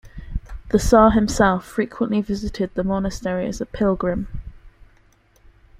The tsar himself frequently visited the monastery as a pilgrim.